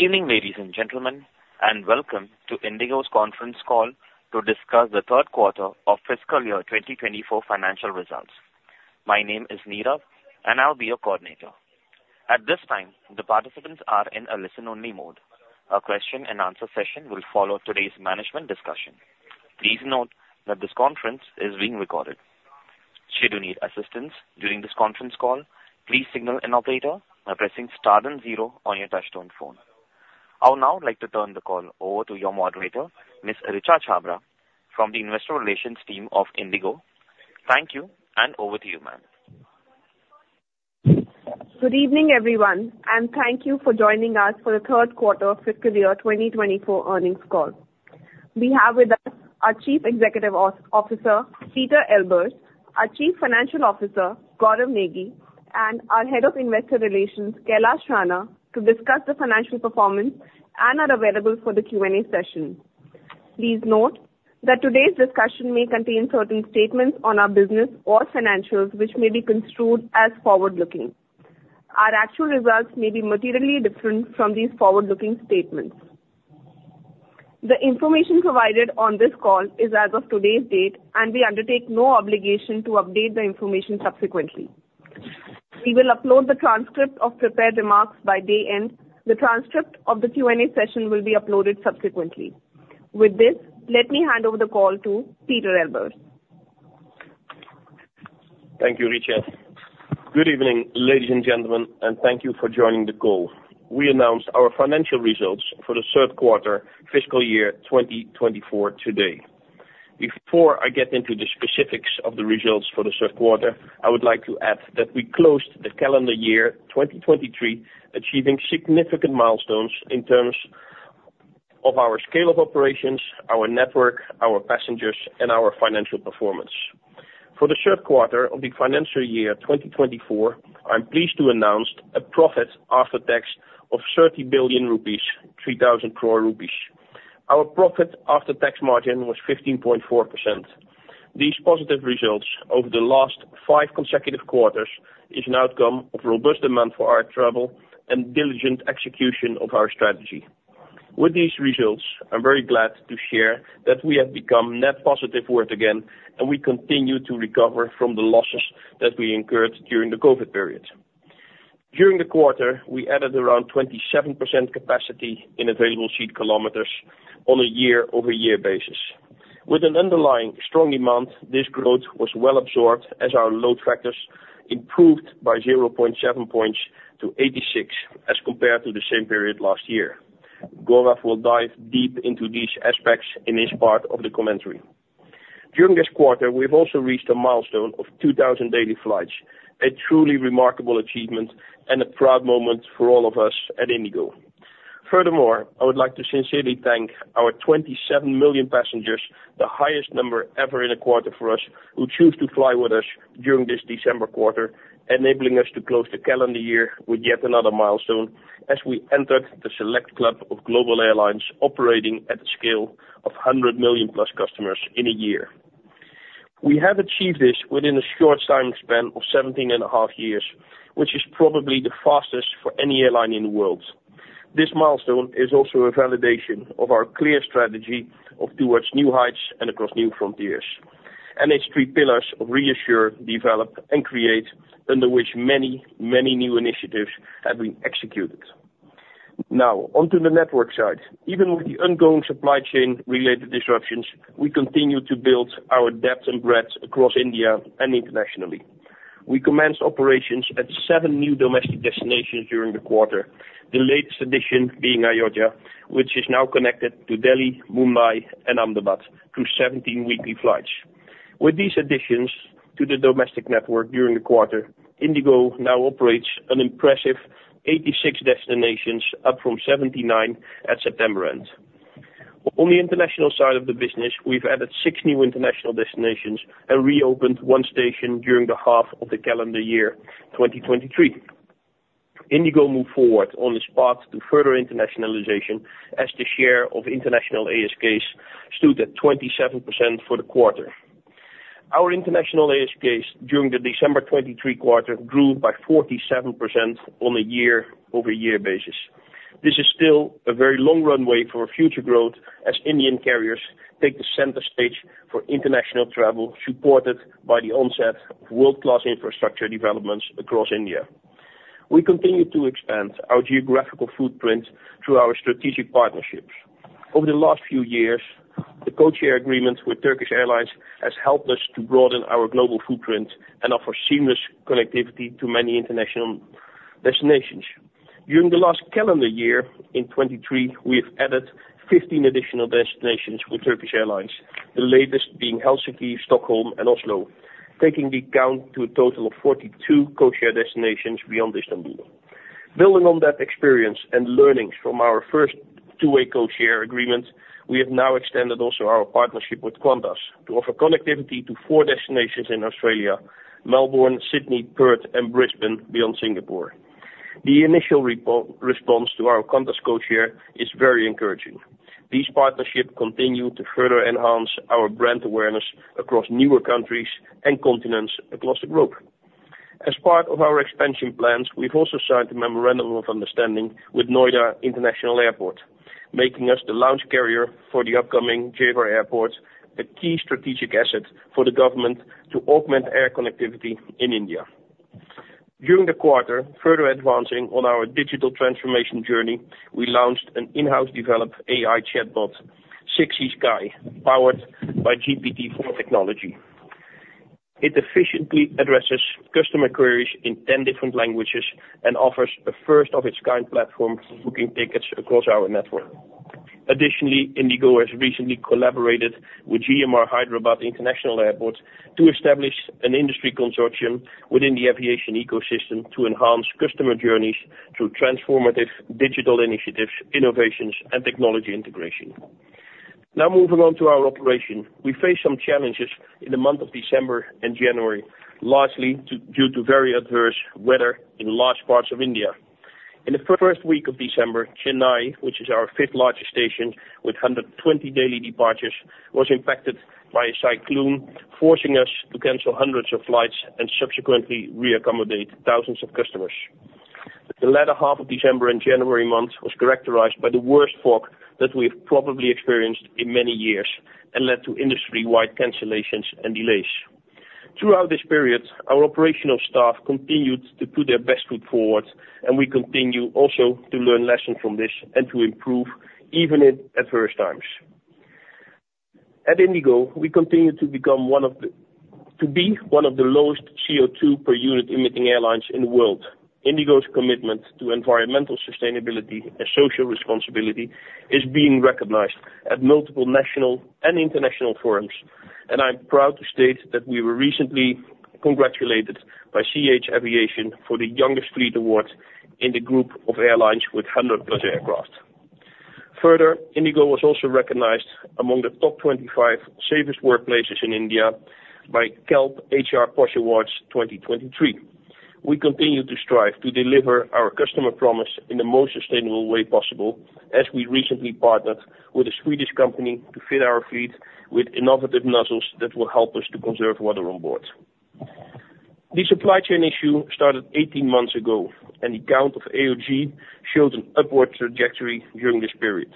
Good evening, ladies and gentlemen, and welcome to IndiGo's conference call to discuss the third quarter of fiscal year 2024 financial results. My name is Neera, and I'll be your coordinator. At this time, the participants are in a listen-only mode. A question-and-answer session will follow today's management discussion. Please note that this conference is being recorded. Should you need assistance during this conference call, please signal an operator by pressing star then zero on your touchtone phone. I would now like to turn the call over to your moderator, Ms. Richa Chhabra, from the investor relations team of IndiGo. Thank you, and over to you, ma'am. Good evening, everyone, and thank you for joining us for the third quarter fiscal year 2024 earnings call. We have with us our Chief Executive Officer, Pieter Elbers, our Chief Financial Officer, Gaurav Negi, and our Head of investor relations, Kailash Rana, to discuss the financial performance and are available for the Q&A session. Please note that today's discussion may contain certain statements on our business or financials, which may be construed as forward-looking. Our actual results may be materially different from these forward-looking statements. The information provided on this call is as of today's date, and we undertake no obligation to update the information subsequently. We will upload the transcript of prepared remarks by day end. The transcript of the Q&A session will be uploaded subsequently. With this, let me hand over the call to Pieter Elbers. Thank you, Richa. Good evening, ladies and gentlemen, and thank you for joining the call. We announced our financial results for the third quarter fiscal year 2024 today. Before I get into the specifics of the results for the third quarter, I would like to add that we closed the calendar year 2023, achieving significant milestones in terms of our scale of operations, our network, our passengers, and our financial performance. For the third quarter of the financial year 2024, I'm pleased to announce a profit after tax of 30 billion rupees, 3,000 crore rupees. Our profit after tax margin was 15.4%. These positive results over the last 5 consecutive quarters is an outcome of robust demand for air travel and diligent execution of our strategy. With these results, I'm very glad to share that we have become net positive worth again, and we continue to recover from the losses that we incurred during the COVID period. During the quarter, we added around 27% capacity in available seat kilometers on a year-over-year basis. With an underlying strong demand, this growth was well absorbed as our load factors improved by 0.7 points to 86% as compared to the same period last year. Gaurav will dive deep into these aspects in his part of the commentary. During this quarter, we've also reached a milestone of 2,000 daily flights, a truly remarkable achievement and a proud moment for all of us at IndiGo. Furthermore, I would like to sincerely thank our 27 million passengers, the highest number ever in a quarter for us, who choose to fly with us during this December quarter, enabling us to close the calendar year with yet another milestone as we entered the select club of global airlines operating at the scale of 100 million-plus customers in a year. We have achieved this within a short time span of 17.5 years, which is probably the fastest for any airline in the world. This milestone is also a validation of our clear strategy of towards new heights and across new frontiers, and its three pillars: reassure, develop, and create, under which many, many new initiatives have been executed. Now, onto the network side. Even with the ongoing supply chain-related disruptions, we continue to build our depth and breadth across India and internationally. We commenced operations at seven new domestic destinations during the quarter, the latest addition being Ayodhya, which is now connected to Delhi, Mumbai, and Ahmedabad through 17 weekly flights. With these additions to the domestic network during the quarter, IndiGo now operates an impressive 86 destinations, up from 79 at September end. On the international side of the business, we've added six new international destinations and reopened one station during the half of the calendar year 2023. IndiGo moved forward on the spot to further internationalization as the share of international ASKs stood at 27% for the quarter. Our international ASKs during the December 2023 quarter grew by 47% on a year-over-year basis. This is still a very long runway for future growth as Indian carriers take the center stage for international travel, supported by the onset of world-class infrastructure developments across India. We continue to expand our geographical footprint through our strategic partnerships. Over the last few years, the codeshare agreement with Turkish Airlines has helped us to broaden our global footprint and offer seamless connectivity to many international destinations. During the last calendar year, in 2023, we have added 15 additional destinations with Turkish Airlines, the latest being Helsinki, Stockholm, and Oslo, taking the count to a total of 42 codeshare destinations beyond Istanbul. Building on that experience and learnings from our first two-way codeshare agreement, we have now extended also our partnership with Qantas to offer connectivity to four destinations in Australia: Melbourne, Sydney, Perth, and Brisbane, beyond Singapore. The initial response to our Qantas codeshare is very encouraging. These partnerships continue to further enhance our brand awareness across newer countries and continents across the globe. As part of our expansion plans, we've also signed a memorandum of understanding with Noida International Airport, making us the launch carrier for the upcoming Noida International Airport, a key strategic asset for the government to augment air connectivity in India. During the quarter, further advancing on our digital transformation journey, we launched an in-house developed AI chatbot, 6Eskai, powered by GPT-4 technology. It efficiently addresses customer queries in ten different languages and offers a first-of-its-kind platform for booking tickets across our network. Additionally, IndiGo has recently collaborated with GMR Hyderabad International Airport to establish an industry consortium within the aviation ecosystem to enhance customer journeys through transformative digital initiatives, innovations, and technology integration. Now moving on to our operation. We faced some challenges in the month of December and January, largely due to very adverse weather in large parts of India. In the first week of December, Chennai, which is our fifth largest station with 120 daily departures, was impacted by a cyclone, forcing us to cancel hundreds of flights and subsequently re-accommodate thousands of customers. The latter half of December and January month was characterized by the worst fog that we've probably experienced in many years and led to industry-wide cancellations and delays. Throughout this period, our operational staff continued to put their best foot forward, and we continue also to learn lessons from this and to improve, even in adverse times. At IndiGo, we continue to become one of the—to be one of the lowest CO2 per unit emitting airlines in the world. IndiGo's commitment to environmental sustainability and social responsibility is being recognized at multiple national and international forums, and I'm proud to state that we were recently congratulated by ch-aviation for the Youngest Fleet Award in the group of airlines with 100+ aircraft. Further, IndiGo was also recognized among the top 25 safest workplaces in India by KelpHR PoSH Awards 2023. We continue to strive to deliver our customer promise in the most sustainable way possible, as we recently partnered with a Swedish company to fit our fleet with innovative nozzles that will help us to conserve water on board. The supply chain issue started 18 months ago, and the count of AOG shows an upward trajectory during this period.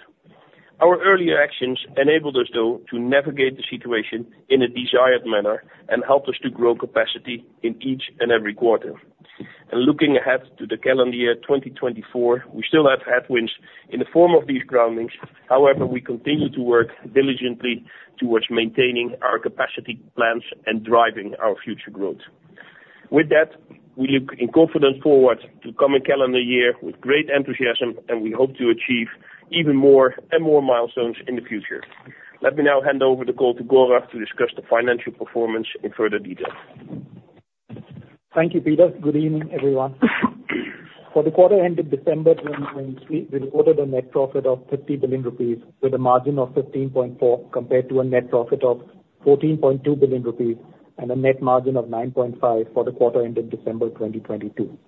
Our early actions enabled us, though, to navigate the situation in a desired manner and helped us to grow capacity in each and every quarter. Looking ahead to the calendar year 2024, we still have headwinds in the form of these groundings. However, we continue to work diligently towards maintaining our capacity plans and driving our future growth. With that, we look in confidence forward to the coming calendar year with great enthusiasm, and we hope to achieve even more and more milestones in the future. Let me now hand over the call to Gaurav to discuss the financial performance in further detail. Thank you, Pieter. Good evening, everyone. For the quarter ended December 2023, we reported a net profit of 50 billion rupees with a margin of 15.4%, compared to a net profit of 14.2 billion rupees and a net margin of 9.5% for the quarter ended December 2022.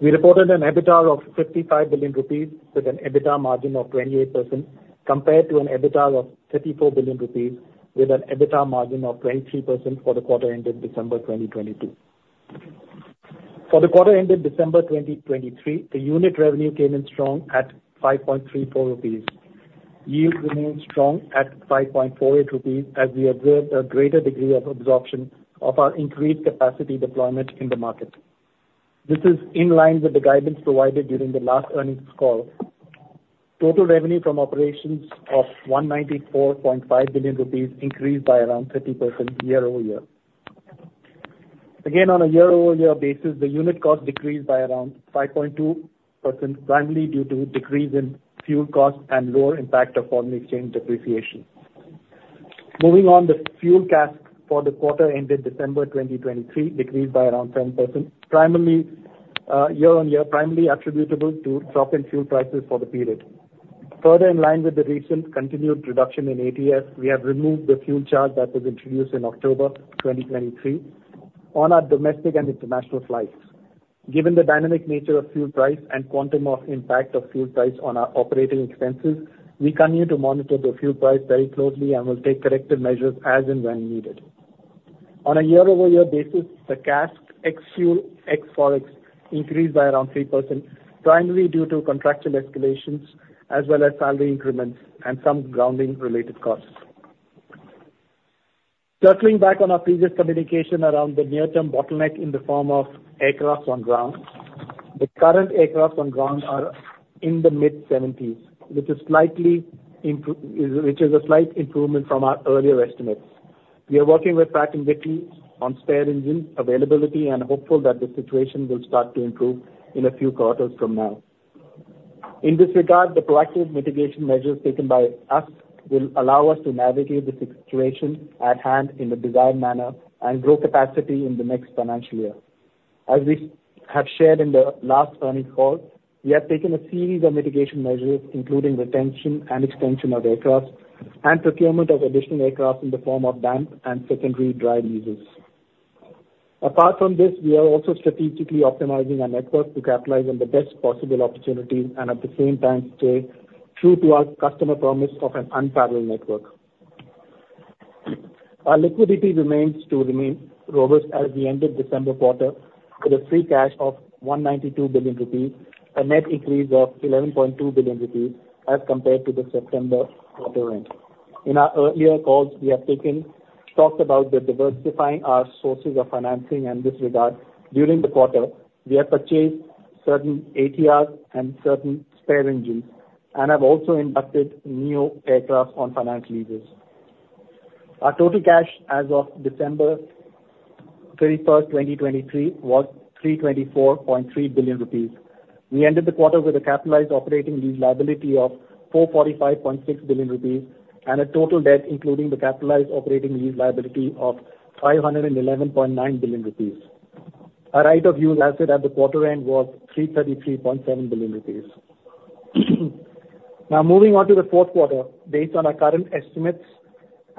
We reported an EBITDA of 55 billion rupees, with an EBITDA margin of 28%, compared to an EBITDA of 34 billion rupees with an EBITDA margin of 23% for the quarter ended December 2022. For the quarter ended December 2023, the unit revenue came in strong at 5.34 rupees. Yield remained strong at 5.48 rupees, as we observed a greater degree of absorption of our increased capacity deployment in the market. This is in line with the guidance provided during the last earnings call. Total revenue from operations of 194.5 billion rupees increased by around 30% year-ove- year. Again, on a year-over-year basis, the unit cost decreased by around 5.2%, primarily due to decrease in fuel costs and lower impact of foreign exchange depreciation. Moving on, the fuel CASK for the quarter ended December 2023 decreased by around 10%, primarily, year-on-year, primarily attributable to drop in fuel prices for the period. Further, in line with the recent continued reduction in ATF, we have removed the fuel charge that was introduced in October 2023 on our domestic and international flights. Given the dynamic nature of fuel price and quantum of impact of fuel price on our operating expenses, we continue to monitor the fuel price very closely and will take corrective measures as and when needed. On a year-over-year basis, the CASK ex-fuel, ex-Forex, increased by around 3%, primarily due to contractual escalations as well as salary increments and some grounding-related costs. Circling back on our previous communication around the near-term bottleneck in the form of aircraft on ground, the current aircraft on ground are in the mid-70s, which is a slight improvement from our earlier estimates. We are working with Pratt & Whitney on spare engine availability and hopeful that the situation will start to improve in a few quarters from now. In this regard, the proactive mitigation measures taken by us will allow us to navigate the situation at hand in the desired manner and grow capacity in the next financial year. As we have shared in the last earnings call, we have taken a series of mitigation measures, including retention and extension of aircraft and procurement of additional aircraft in the form of damp and secondary dry leases. Apart from this, we are also strategically optimizing our network to capitalize on the best possible opportunities, and at the same time, stay true to our customer promise of an unparalleled network... Our liquidity remains to remain robust at the end of December quarter, with a free cash of 192 billion rupees, a net increase of 11.2 billion rupees as compared to the September quarter end. In our earlier calls, we have taken, talked about the diversifying our sources of financing in this regard. During the quarter, we have purchased certain ATRs and certain spare engines and have also inducted new aircraft on financial leases. Our total cash as of December 31st, 2023, was 324.3 billion rupees. We ended the quarter with a capitalized operating lease liability of 445.6 billion rupees, and a total debt, including the capitalized operating lease liability of 511.9 billion rupees. Our Right of Use Asset at the quarter end was 333.7 billion rupees. Now, moving on to the fourth quarter. Based on our current estimates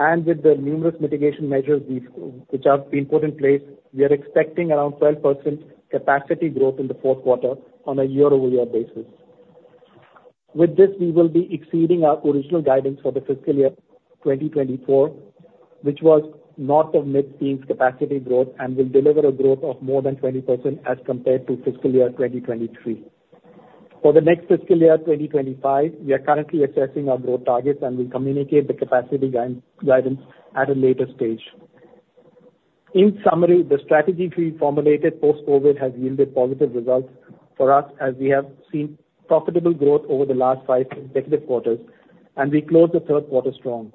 and with the numerous mitigation measures we've which have been put in place, we are expecting around 12% capacity growth in the fourth quarter on a year-over-year basis. With this, we will be exceeding our original guidance for the fiscal year 2024, which was north of mid-teens capacity growth, and will deliver a growth of more than 20% as compared to fiscal year 2023. For the next fiscal year, 2025, we are currently assessing our growth targets, and we'll communicate the capacity guidance at a later stage. In summary, the strategy we formulated post-COVID has yielded positive results for us, as we have seen profitable growth over the last five consecutive quarters, and we closed the third quarter strong.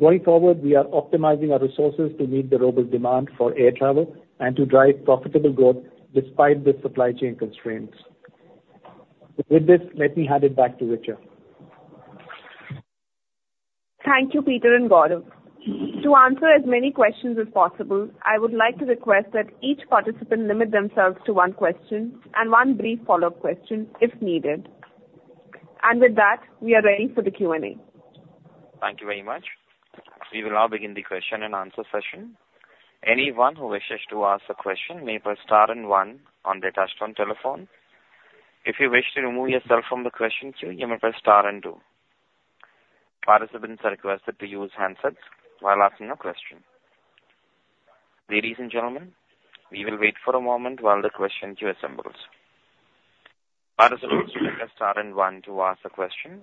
Going forward, we are optimizing our resources to meet the robust demand for air travel and to drive profitable growth despite the supply chain constraints. With this, let me hand it back to Richa. Thank you, Peter and Gaurav. To answer as many questions as possible, I would like to request that each participant limit themselves to one question and one brief follow-up question, if needed. With that, we are ready for the Q&A. Thank you very much. We will now begin the question-and-answer session. Anyone who wishes to ask a question may press star and one on their touchtone telephone. If you wish to remove yourself from the question queue, you may press star and two. Participants are requested to use handsets while asking a question. Ladies and gentlemen, we will wait for a moment while the question queue assembles. Participants, you may press star and one to ask a question.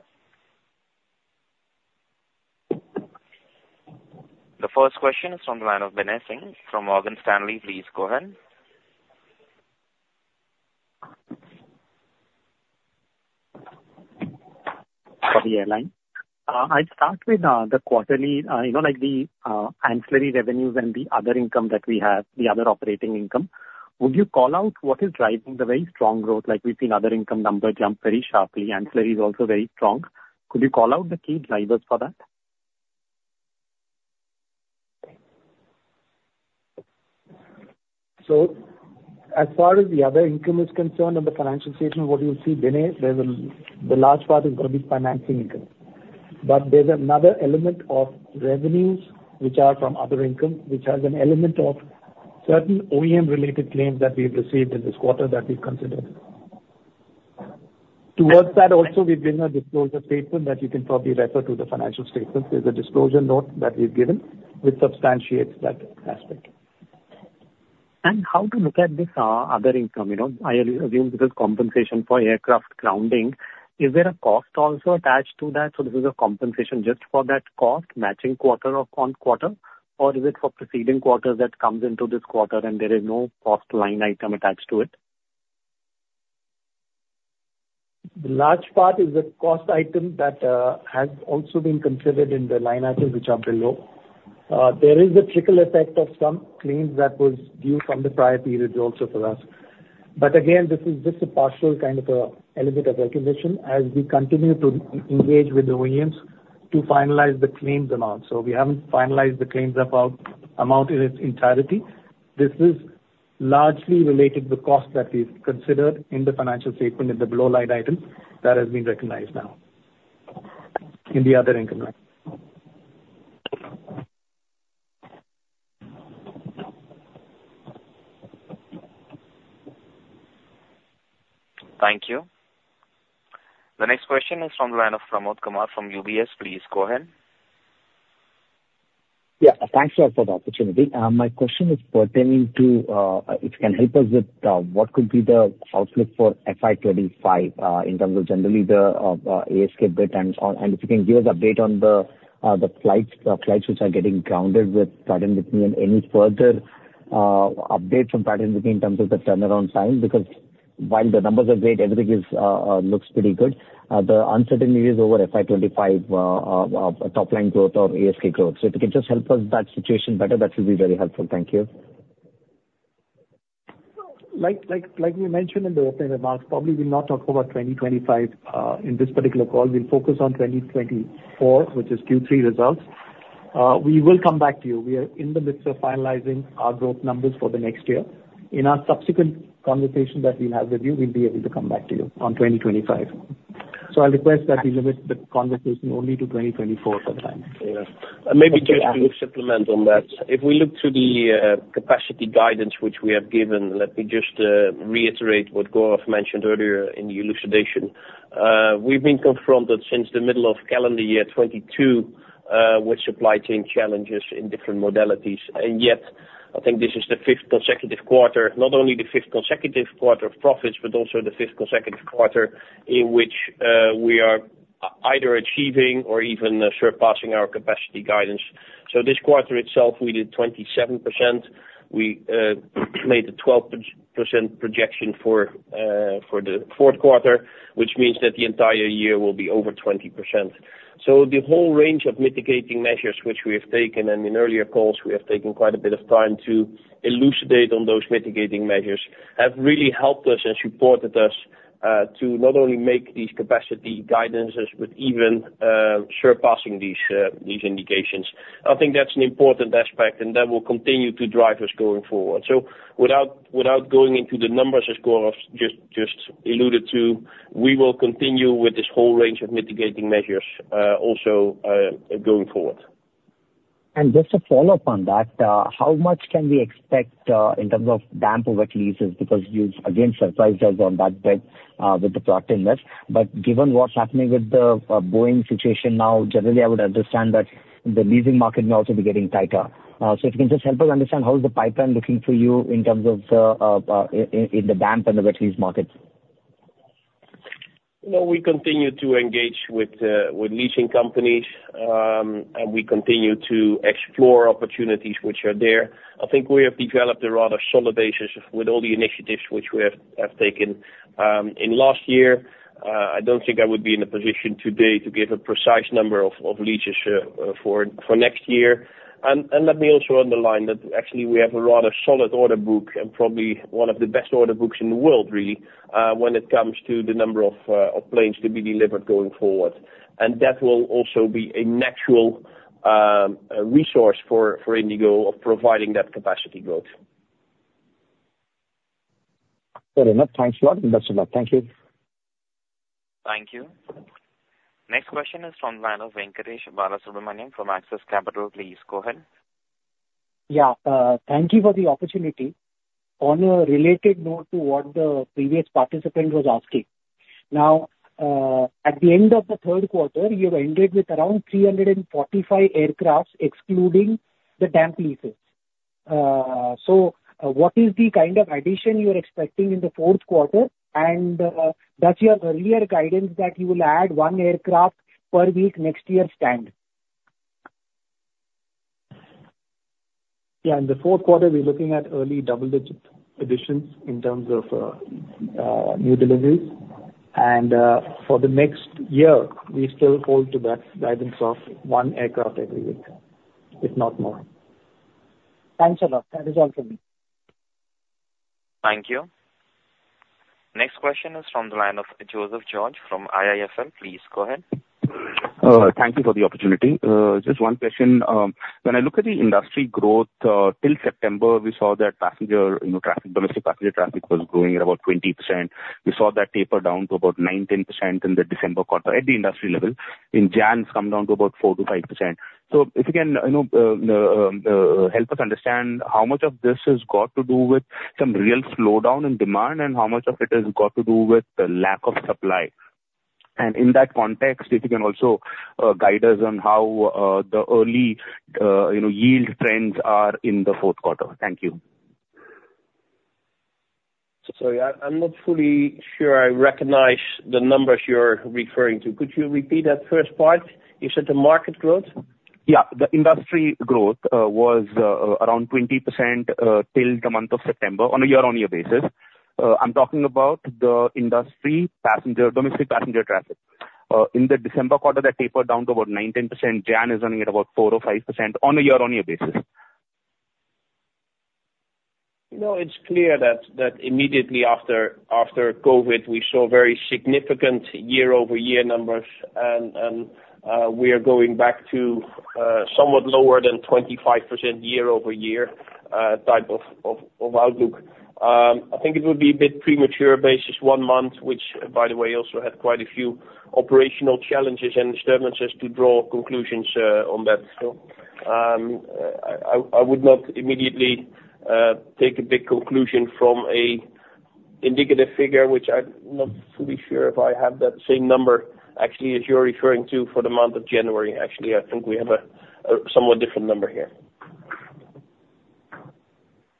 The first question is from the line of Vinay Singh from Morgan Stanley. Please go ahead. For the airline, I'll start with the quarterly, you know, like, the ancillary revenues and the other income that we have, the other operating income. Would you call out what is driving the very strong growth, like, we've seen other income number jump very sharply, ancillary is also very strong. Could you call out the key drivers for that? So as far as the other income is concerned in the financial statement, what you'll see, Vinay, there's the large part is gonna be financing income. But there's another element of revenues which are from other income, which has an element of certain OEM-related claims that we've received in this quarter that we've considered. Towards that also, we've done a disclosure statement that you can probably refer to the financial statement. There's a disclosure note that we've given, which substantiates that aspect. How to look at this, other income, you know, I assume this is compensation for aircraft grounding. Is there a cost also attached to that? This is a compensation just for that cost, matching quarter on quarter, or is it for preceding quarters that comes into this quarter, and there is no cost line item attached to it? The large part is a cost item that has also been considered in the line items which are below. There is a trickle effect of some claims that was due from the prior periods also for us. But again, this is just a partial kind of a element of recognition as we continue to engage with the OEMs to finalize the claims amount. So we haven't finalized the claims about amount in its entirety. This is largely related to costs that we've considered in the financial statement, in the below line item, that has been recognized now in the other income line. Thank you. The next question is from the line of Pramod Kumar from UBS. Please go ahead. Yeah, thanks a lot for the opportunity. My question is pertaining to if you can help us with what could be the outlook for FY 2025, in terms of generally the ASK bit and all, and if you can give us update on the flights which are getting grounded with Pratt & Whitney, and any further update from Pratt & Whitney in terms of the turnaround time? Because while the numbers are great, everything looks pretty good, the uncertainty is over FY 2025 top line growth or ASK growth. So if you can just help us that situation better, that will be very helpful. Thank you. So, like, like, like we mentioned in the opening remarks, probably we'll not talk about 2025 in this particular call. We'll focus on 2024, which is Q3 results. We will come back to you. We are in the midst of finalizing our growth numbers for the next year. In our subsequent conversation that we'll have with you, we'll be able to come back to you on 2025. So I'll request that we limit the conversation only to 2024 for the time being. Yeah. Maybe just to supplement on that, if we look to the capacity guidance which we have given, let me just reiterate what Gaurav mentioned earlier in the elucidation. We've been confronted since the middle of calendar year 2022 with supply chain challenges in different modalities, and yet, I think this is the fifth consecutive quarter, not only the fifth consecutive quarter of profits, but also the fifth consecutive quarter in which we are either achieving or even surpassing our capacity guidance. So this quarter itself, we did 27%. We made a 12% projection for the fourth quarter, which means that the entire year will be over 20%. So the whole range of mitigating measures which we have taken, and in earlier calls, we have taken quite a bit of time to elucidate on those mitigating measures, have really helped us and supported us to not only make these capacity guidances, but even surpassing these indications. I think that's an important aspect, and that will continue to drive us going forward. So without going into the numbers, as Gaurav just alluded to, we will continue with this whole range of mitigating measures, also going forward. Just a follow-up on that, how much can we expect in terms of damp leases? Because you've again surprised us on that bit with the profitability. But given what's happening with the Boeing situation now, generally, I would understand that the leasing market may also be getting tighter. So if you can just help us understand how is the pipeline looking for you in terms of the damp and the wet lease markets? Well, we continue to engage with leasing companies, and we continue to explore opportunities which are there. I think we have developed a rather solid basis with all the initiatives which we have taken. In last year, I don't think I would be in a position today to give a precise number of leases for next year. And let me also underline that actually we have a rather solid order book and probably one of the best order books in the world, really, when it comes to the number of planes to be delivered going forward. And that will also be a natural resource for IndiGo of providing that capacity growth. Fair enough. Thanks a lot, and best of luck. Thank you. Thank you. Next question is from the line of Venkatesh Balasubramaniam from Axis Capital. Please, go ahead. Yeah, thank you for the opportunity. On a related note to what the previous participant was asking, now, at the end of the third quarter, you have ended with around 345 aircraft, excluding the damp leases. So, what is the kind of addition you are expecting in the fourth quarter? And, does your earlier guidance that you will add one aircraft per week next year, stand? Yeah, in the fourth quarter, we're looking at early double-digit additions in terms of new deliveries. For the next year, we still hold to that guidance of one aircraft every week, if not more. Thanks a lot. That is all for me. Thank you. Next question is from the line of Joseph George from IIFL. Please, go ahead. Thank you for the opportunity. Just one question. When I look at the industry growth, till September, we saw that passenger, you know, traffic, domestic passenger traffic was growing at about 20%. We saw that taper down to about 9%-10% in the December quarter at the industry level. In January, it's come down to about 4%-5%. So if you can, you know, help us understand how much of this has got to do with some real slowdown in demand, and how much of it has got to do with the lack of supply? And in that context, if you can also guide us on how the early, you know, yield trends are in the fourth quarter. Thank you. Yeah, I'm not fully sure I recognize the numbers you're referring to. Could you repeat that first part? You said the market growth? Yeah, the industry growth was around 20% till the month of September, on a year-on-year basis. I'm talking about the industry passenger, domestic passenger traffic. In the December quarter, that tapered down to about 9%-10%. Jan is running at about 4%-5% on a year-on-year basis. You know, it's clear that immediately after COVID, we saw very significant year-over-year numbers, and we are going back to somewhat lower than 25% year-over-year type of outlook. I think it would be a bit premature basis one month, which by the way, also had quite a few operational challenges and disturbances to draw conclusions on that. So, I would not immediately take a big conclusion from an indicative figure, which I'm not fully sure if I have that same number actually, as you're referring to for the month of January. Actually, I think we have a somewhat different number here.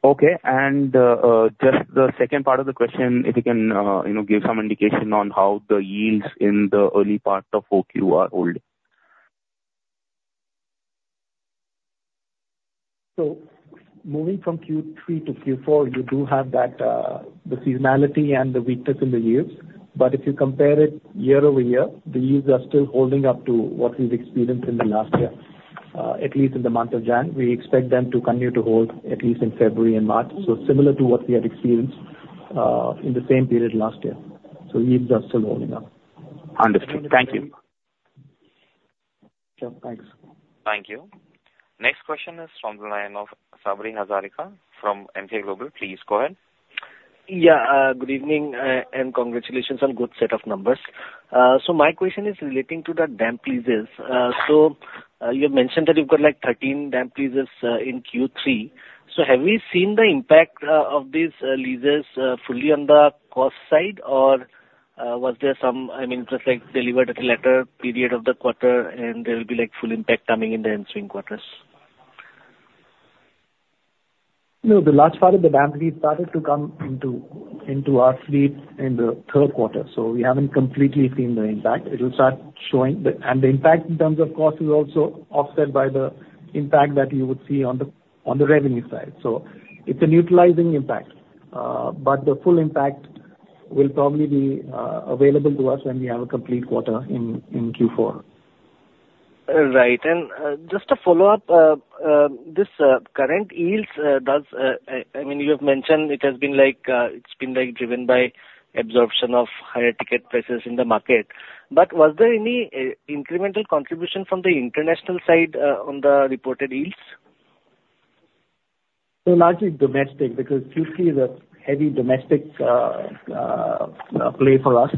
Okay. And, just the second part of the question, if you can, you know, give some indication on how the yields in the early part of 4Q are holding. So moving from Q3 to Q4, you do have that, the seasonality and the weakness in the yields. But if you compare it year-over-year, the yields are still holding up to what we've experienced in the last year, at least in the month of January. We expect them to continue to hold, at least in February and March. So similar to what we have experienced, in the same period last year. So yields are still holding up. Understood. Thank you. Sure. Thanks. Thank you. Next question is from the line of Sabri Hazarika from Emkay Global. Please, go ahead. Yeah, good evening, and congratulations on good set of numbers. So my question is relating to the damp leases. You have mentioned that you've got, like, 13 damp leases in Q3. So have we seen the impact of these leases fully on the cost side or-... was there some, I mean, just like delivered at a later period of the quarter, and there will be, like, full impact coming in the ensuing quarters? No, the large part of the damp lease started to come into our fleet in the third quarter, so we haven't completely seen the impact. It will start showing the impact. And the impact in terms of cost is also offset by the impact that you would see on the revenue side. So it's a neutralizing impact, but the full impact will probably be available to us when we have a complete quarter in Q4. Right. And just a follow-up. This current yields does, I mean, you have mentioned it has been like, it's been like driven by absorption of higher ticket prices in the market. But was there any incremental contribution from the international side on the reported yields? So largely domestic, because Q3 is a heavy domestic play for us.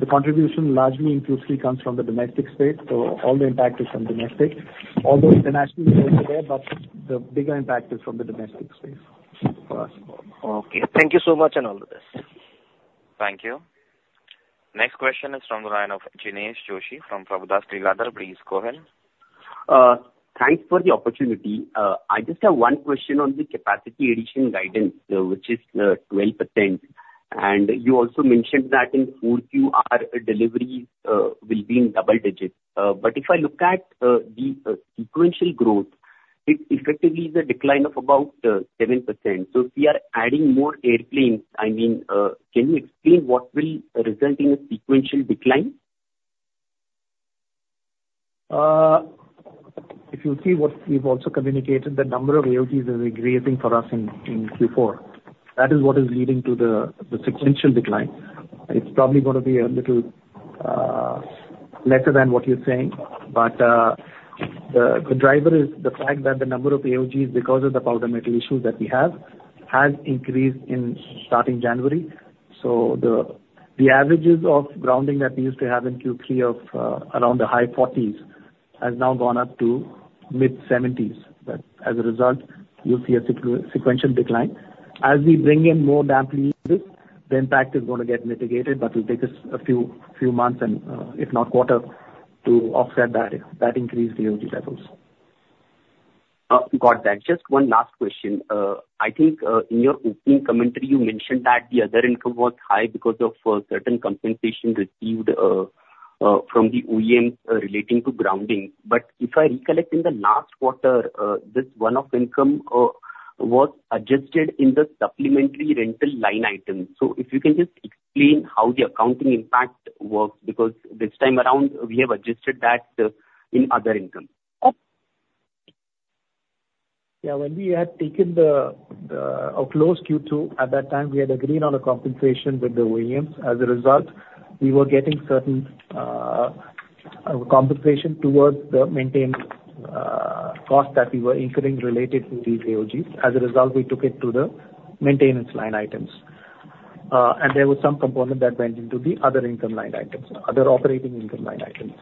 The contribution largely in Q3 comes from the domestic space, so all the impact is from domestic. Although international is also there, but the bigger impact is from the domestic space for us. Okay, thank you so much, and all the best. Thank you. Next question is from the line of Jinesh Joshi from Prabhudas Lilladher. Please go ahead. Thanks for the opportunity. I just have one question on the capacity addition guidance, which is 12%. And you also mentioned that in full Q4, deliveries will be in double digits. But if I look at the sequential growth, it effectively is a decline of about 7%. So if we are adding more airplanes, I mean, can you explain what will result in a sequential decline? If you see what we've also communicated, the number of AOGs that are creating for us in Q4, that is what is leading to the sequential decline. It's probably gonna be a little lesser than what you're saying, but the driver is the fact that the number of AOGs, because of the powder metal issue that we have, has increased starting January. So the averages of grounding that we used to have in Q3 of around the high 40s has now gone up to mid-70s. But as a result, you'll see a sequential decline. As we bring in more damp leases, the impact is gonna get mitigated, but will take us a few months and, if not quarter, to offset that increased AOG levels. Got that. Just one last question. I think, in your opening commentary, you mentioned that the other income was high because of certain compensation received from the OEMs relating to grounding. But if I recollect, in the last quarter, this one-off income was adjusted in the supplementary rental line item. So if you can just explain how the accounting impact works, because this time around, we have adjusted that in other income. Yeah, when we had taken the close Q2, at that time, we had agreed on a compensation with the OEMs. As a result, we were getting certain compensation towards the maintenance cost that we were incurring related to these AOG. As a result, we took it to the maintenance line items. And there was some component that went into the other income line items, other operating income line items.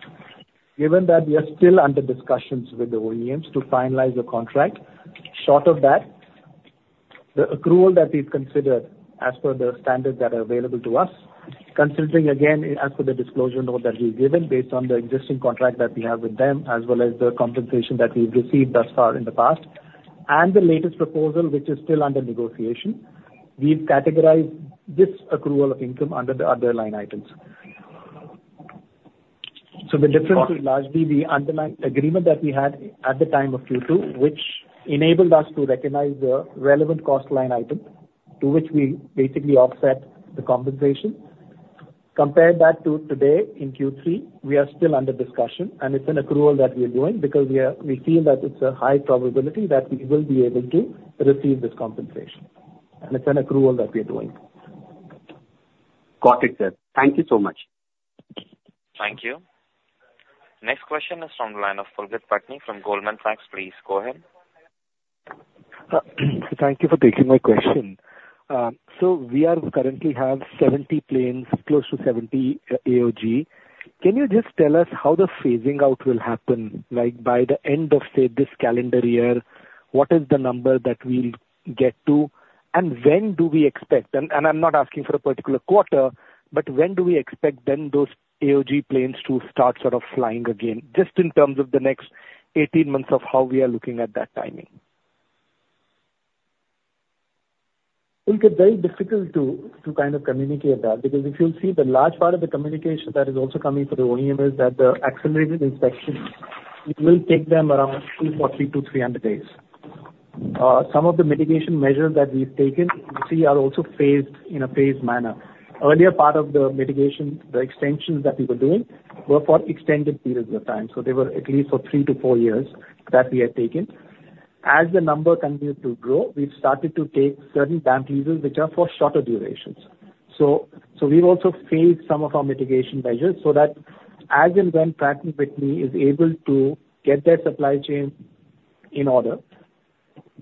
Given that we are still under discussions with the OEMs to finalize the contract, short of that, the accrual that we've considered as per the standards that are available to us, considering again, as per the disclosure note that we've given, based on the existing contract that we have with them, as well as the compensation that we've received thus far in the past, and the latest proposal, which is still under negotiation, we've categorized this accrual of income under the other line items. So the difference is largely the underlying agreement that we had at the time of Q2, which enabled us to recognize the relevant cost line item, to which we basically offset the compensation. Compare that to today. In Q3, we are still under discussion, and it's an accrual that we are doing, because we feel that it's a high probability that we will be able to receive this compensation, and it's an accrual that we are doing. Got it, sir. Thank you so much. Thank you. Next question is from the line of Pulkit Patni from Goldman Sachs. Please go ahead. Thank you for taking my question. So we are currently have 70 planes, close to 70 AOG. Can you just tell us how the phasing out will happen, like by the end of, say, this calendar year? What is the number that we'll get to? And when do we expect, and I'm not asking for a particular quarter, but when do we expect then those AOG planes to start sort of flying again, just in terms of the next 18 months of how we are looking at that timing? It's very difficult to kind of communicate that, because if you'll see, the large part of the communication that is also coming from the OEM is that the accelerated inspections, it will take them around 240-300 days. Some of the mitigation measures that we've taken, you see, are also phased in a phased manner. Earlier part of the mitigation, the extensions that we were doing, were for extended periods of time, so they were at least for three to fpur years that we have taken. As the number continued to grow, we've started to take certain damp leases, which are for shorter durations. So, we've also phased some of our mitigation measures so that as and when Pratt & Whitney is able to get their supply chain in order,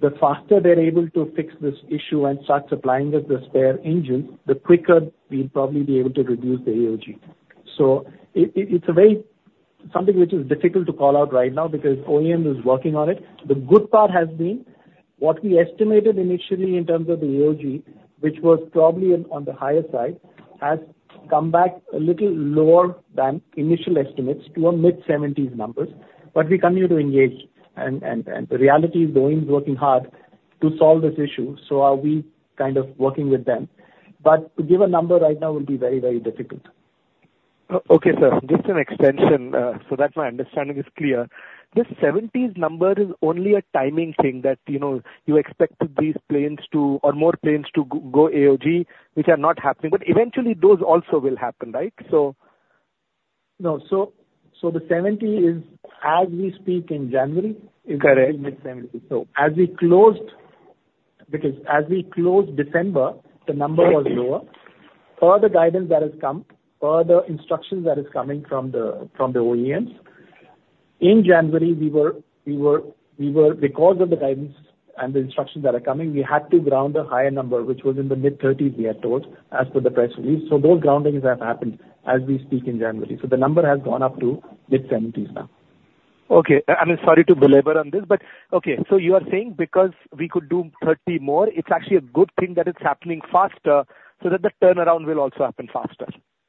the faster they're able to fix this issue and start supplying us the spare engines, the quicker we'll probably be able to reduce the AOG. So it, it's a very something which is difficult to call out right now because OEM is working on it. The good part has been, what we estimated initially in terms of the AOG, which was probably on the higher side, has come back a little lower than initial estimates to a mid-70s numbers. But we continue to engage, and the reality is Boeing is working hard to solve this issue, so are we kind of working with them. But to give a number right now will be very, very difficult. Okay, sir, just an extension, so that my understanding is clear. This 70s number is only a timing thing that, you know, you expected these planes to, or more planes to go AOG, which are not happening, but eventually those also will happen, right? So- No. So, the 70 is, as we speak in January- Correct. It's mid-70s. So as we closed, because as we closed December, the number was lower. Per the guidance that has come, per the instructions that are coming from the OEMs, in January, we were, because of the guidance and the instructions that are coming, we had to ground a higher number, which was in the mid-30s, we had told, as per the press release. So those groundings have happened as we speak in January. So the number has gone up to mid-70s now. Okay. I mean, sorry to belabor on this, but okay, so you are saying because we could do 30 more, it's actually a good thing that it's happening faster, so that the turnaround will also happen faster.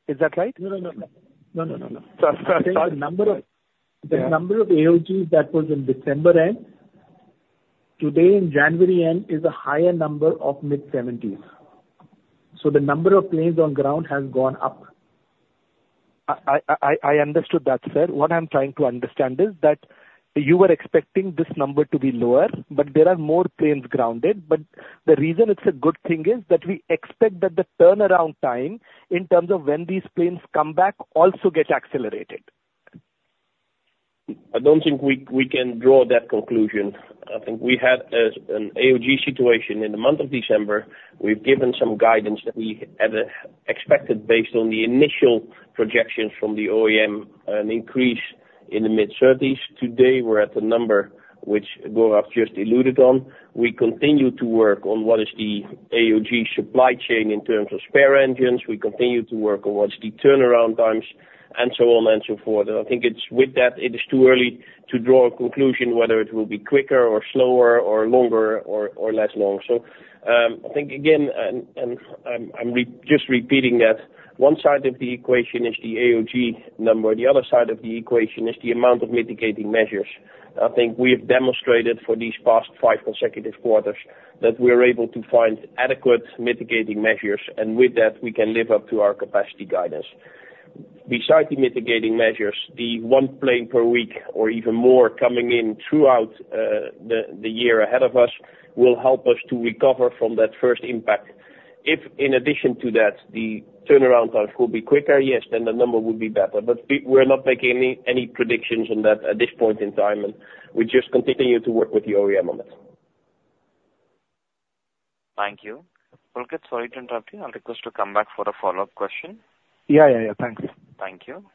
Is that right? No, no, no, no. No, no, no, no. Sorry, sorry- The number of- Yeah. The number of AOG that was in December end, today in January end, is a higher number of mid-70s. So the number of planes on ground has gone up. I understood that, sir. What I'm trying to understand is that you were expecting this number to be lower, but there are more planes grounded. But the reason it's a good thing is that we expect that the turnaround time, in terms of when these planes come back, also gets accelerated. I don't think we, we can draw that conclusion. I think we had an AOG situation in the month of December. We've given some guidance that we had expected based on the initial projections from the OEM, an increase in the mid-thirties. Today, we're at the number which Gaurav just alluded on. We continue to work on what is the AOG supply chain in terms of spare engines. We continue to work on what's the turnaround times, and so on and so forth. And I think it's, with that, it is too early to draw a conclusion whether it will be quicker or slower or longer or, or less long. So, I think again, and, and I'm just repeating that one side of the equation is the AOG number, the other side of the equation is the amount of mitigating measures. I think we have demonstrated for these past five consecutive quarters that we're able to find adequate mitigating measures, and with that, we can live up to our capacity guidance. Besides the mitigating measures, the one plane per week or even more coming in throughout the year ahead of us will help us to recover from that first impact. If, in addition to that, the turnaround times will be quicker, yes, then the number will be better. But we're not making any predictions on that at this point in time, and we just continue to work with the OEM on it. Thank you. Pulkit, sorry to interrupt you. I'll request you to come back for a follow-up question. Yeah, yeah, yeah. Thanks. Thank you.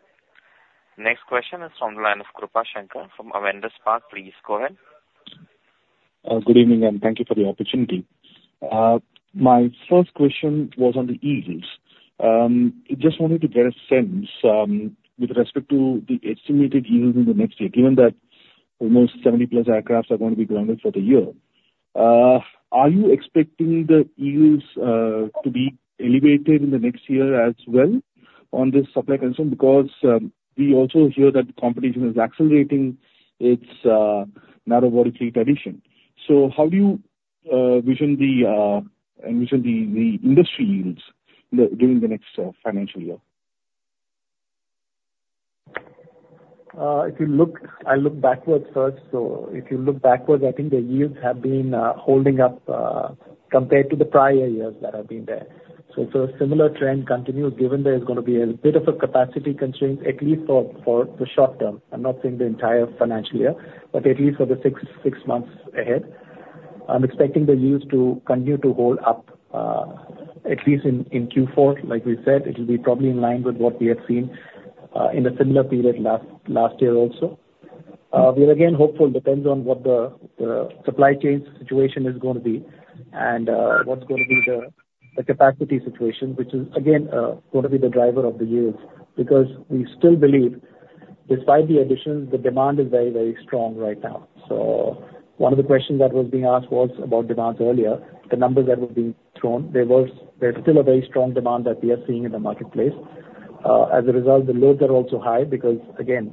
Next question is from the line of Krupa Shankar from Avendus Spark. Please go ahead. Good evening, and thank you for the opportunity. My first question was on the yields. Just wanted to get a sense, with respect to the estimated yields in the next year, given that almost 70+ aircraft are going to be grounded for the year. Are you expecting the yields to be elevated in the next year as well on this supply chain? Because, we also hear that competition is accelerating its narrow body fleet addition. So how do you envision the industry yields during the next financial year? If you look... I look backwards first. So if you look backwards, I think the yields have been holding up compared to the prior years that have been there. So a similar trend continues, given there is gonna be a bit of a capacity constraint, at least for the short term. I'm not saying the entire financial year, but at least for the 6 months ahead. I'm expecting the yields to continue to hold up, at least in Q4. Like we said, it will be probably in line with what we have seen in a similar period last year also. We are again hopeful, depends on what the supply chain situation is going to be and what's going to be the capacity situation, which is again going to be the driver of the yields. Because we still believe, despite the additions, the demand is very, very strong right now. So one of the questions that was being asked was about demands earlier, the numbers that were being thrown. There's still a very strong demand that we are seeing in the marketplace. As a result, the loads are also high, because again,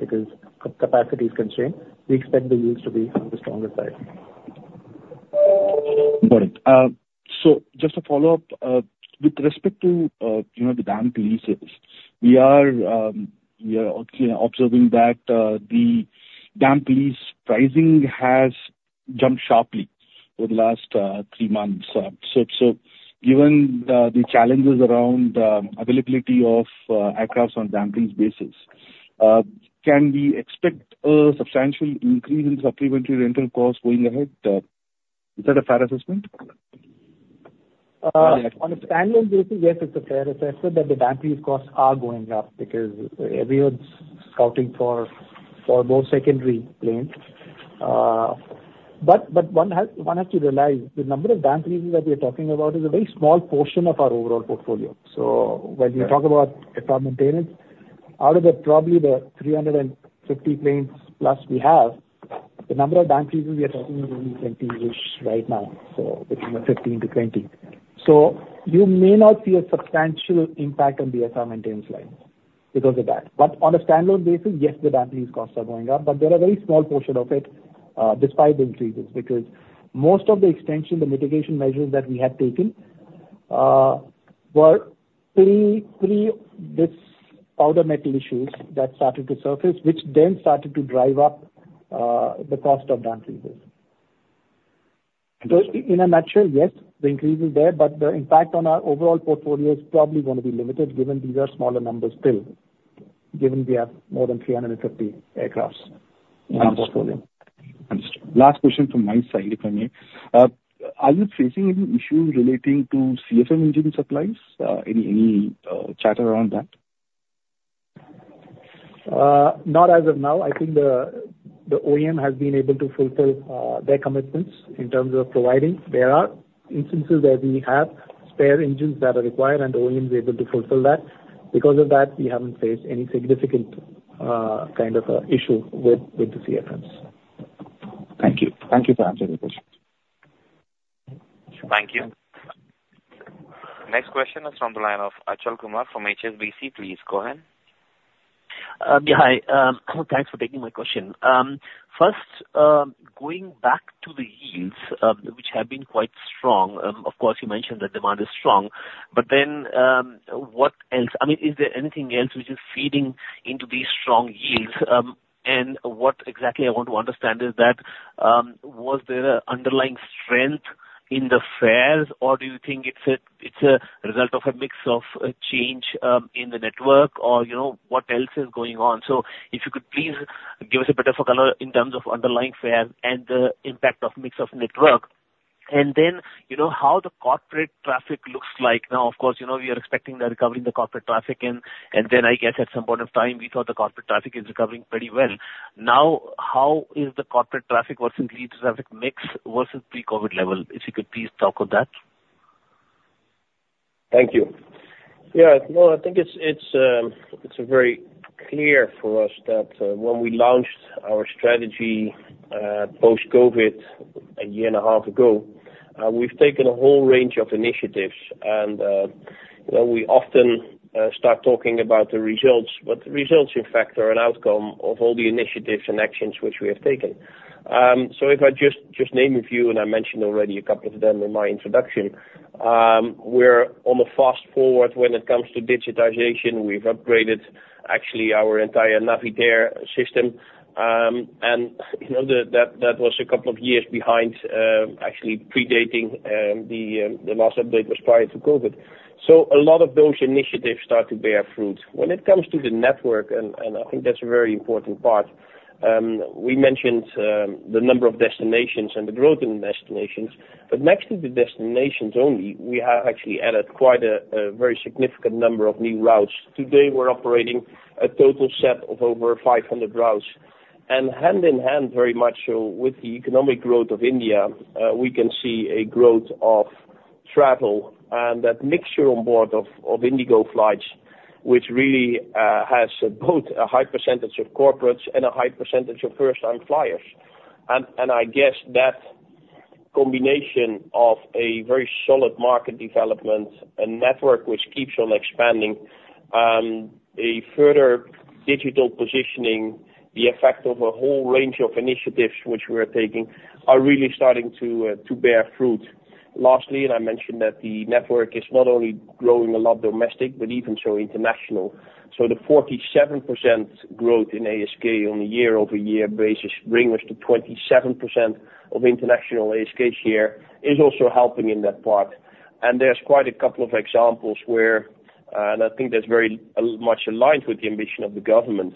capacity is constrained, we expect the yields to be on the stronger side. Got it. So just a follow-up, with respect to, you know, the damp leases. We are observing that the damp lease pricing has jumped sharply over the last three months. So given the challenges around availability of aircraft on damp lease basis, can we expect a substantial increase in the supplementary rental costs going ahead? Is that a fair assessment? On a stand-alone basis, yes, it's a fair assessment that the damp lease costs are going up, because everyone's scouting for more secondary planes.... but one has to realize the number of damp leases that we are talking about is a very small portion of our overall portfolio. So when we talk about airframe maintenance, out of probably the 350 planes plus we have, the number of damp leases we are talking is only 20-ish right now, so between 15-20. So you may not see a substantial impact on the SR maintenance lines because of that. But on a standalone basis, yes, the damp lease costs are going up, but they're a very small portion of it, despite the increases, because most of the extension, the mitigation measures that we had taken, were pre this powder metal issues that started to surface, which then started to drive up the cost of damp leases. So in a nutshell, yes, the increase is there, but the impact on our overall portfolio is probably gonna be limited, given these are smaller numbers still, given we have more than 350 aircraft in our portfolio. Understood. Last question from my side, if I may. Are you facing any issues relating to CFM engine supplies? Any chatter around that? Not as of now. I think the OEM has been able to fulfill their commitments in terms of providing. There are instances where we have spare engines that are required and the OEM is able to fulfill that. Because of that, we haven't faced any significant kind of issue with the CFMs. Thank you. Thank you for answering the questions. Thank you. Next question is from the line of Achal Kumar from HSBC. Please go ahead. Yeah, hi. Thanks for taking my question. First, going back to the yields, which have been quite strong. Of course, you mentioned that demand is strong, but then, what else? I mean, is there anything else which is feeding into these strong yields? And what exactly I want to understand is that, was there a underlying strength in the fares, or do you think it's a, it's a result of a mix of a change, in the network or, you know, what else is going on? So if you could please give us a bit of a color in terms of underlying fares and the impact of mix of network. And then, you know, how the corporate traffic looks like now, of course, you know, we are expecting the recovery in the corporate traffic, and then I guess at some point of time, we thought the corporate traffic is recovering pretty well. Now, how is the corporate traffic versus leisure traffic mix versus pre-COVID level? If you could please talk on that. Thank you. Yeah, well, I think it's very clear for us that when we launched our strategy post-COVID a year and a half ago, we've taken a whole range of initiatives. And you know, we often start talking about the results, but the results, in fact, are an outcome of all the initiatives and actions which we have taken. So if I just name a few, and I mentioned already a couple of them in my introduction, we're on the fast forward when it comes to digitization. We've upgraded actually our entire Navitaire system, and you know, that was a couple of years behind, actually predating the last update was prior to COVID. So a lot of those initiatives start to bear fruit. When it comes to the network, I think that's a very important part, we mentioned the number of destinations and the growth in the destinations, but next to the destinations only, we have actually added quite a very significant number of new routes. Today, we're operating a total set of over 500 routes. And hand in hand, very much so, with the economic growth of India, we can see a growth of travel and that mixture on board of IndiGo flights, which really has both a high percentage of corporates and a high percentage of first-time flyers. And I guess that combination of a very solid market development and network, which keeps on expanding, a further digital positioning, the effect of a whole range of initiatives which we are taking, are really starting to bear fruit. Lastly, and I mentioned that the network is not only growing a lot domestic, but even so international. So the 47% growth in ASK on a year-over-year basis bring us to 27% of international ASK share, is also helping in that part. And there's quite a couple of examples where, and I think that's very much aligned with the ambition of the government,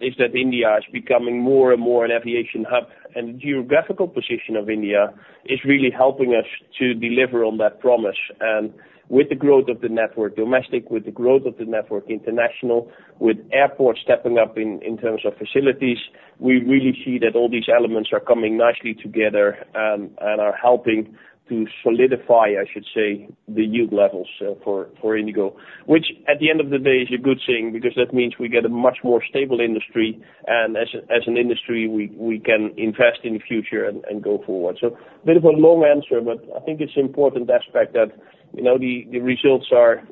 is that India is becoming more and more an aviation hub, and the geographical position of India is really helping us to deliver on that promise. And with the growth of the network, domestic, with the growth of the network international, with airports stepping up in, in terms of facilities, we really see that all these elements are coming nicely together, and are helping to solidify, I should say, the yield levels, for, for IndiGo. Which, at the end of the day, is a good thing, because that means we get a much more stable industry, and as an industry, we can invest in the future and go forward. So a bit of a long answer, but I think it's important to emphasize that, you know, the results are